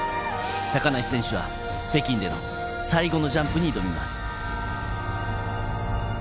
高梨選手は北京での最後のジャンプに挑みます。